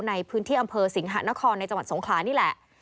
ในพื้นที่อำเภอสิงหะนครในจังหวัดสงขลานี่แหละ